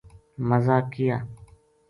مزا کیا